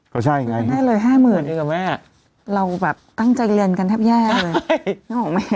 ก็ใช่ไงได้เลยห้าหมื่นเองกับแม่เราแบบตั้งใจเรียนกันแทบแย่เลยนึกออกไหม